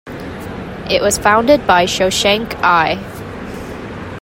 It was founded by Shoshenq I.